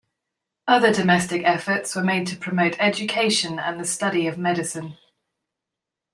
Other domestic efforts were made to promote education and the study of medicine.